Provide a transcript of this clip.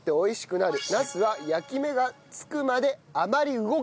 ナスは焼き目がつくまであまり動かさない。